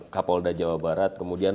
kapolda jawa barat kemudian